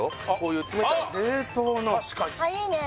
あいいね